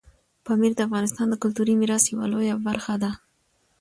پامیر د افغانستان د کلتوري میراث یوه لویه برخه ده.